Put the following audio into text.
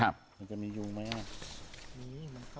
มันจะมียุงมั้ยอ่ะ